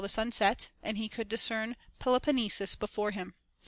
35 the sun set, and he could discern Peloponnesus before him.